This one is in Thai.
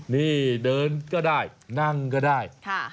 นี่เดินก็ได้นั่งก็ได้